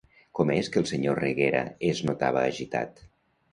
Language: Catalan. Com és que el senyor Reguera es notava agitat?